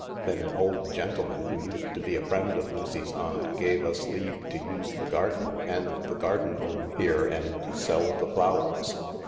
Then an old gentleman who used to be a friend of Lucy^ aunt gave us leave to use the garden and the garden room here and to sell the flowers.